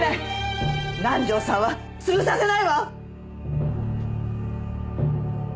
南条さんは潰させないわ！